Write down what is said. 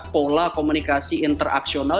pola komunikasi interaksional